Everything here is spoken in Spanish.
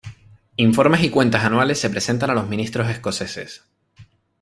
Informes y cuentas anuales se presentan a los ministros escoceses.